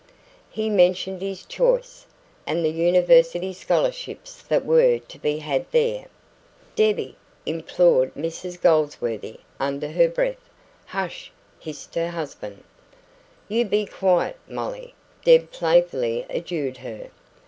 He mentioned his choice, and the University scholarships that were to be had there. "Debbie!" implored Mrs Goldsworthy, under her breath. "Hush sh!" hissed her husband. "You be quiet, Molly," Deb playfully adjured her.